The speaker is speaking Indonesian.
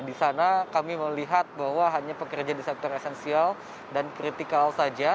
di sana kami melihat bahwa hanya pekerja di sektor esensial dan kritikal saja